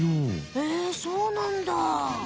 へえそうなんだ！